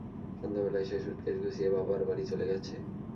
সন্ধ্যাবেলায় সে সুটকেস গুছিয়ে বাবার বাড়ি চলে গেছে।